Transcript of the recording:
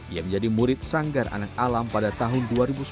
ia menjadi murid sanggar anak alam pada tahun dua ribu sebelas